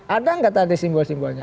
ada nggak tadi simbol simbolnya